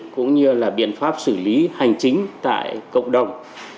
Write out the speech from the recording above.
cũng như là biện pháp xử lý hành chính tại cộng đồng